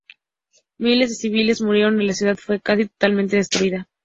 Miles de civiles murieron y la ciudad fue casi totalmente destruida.